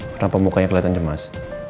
kenapa mukanya kelihatan jemas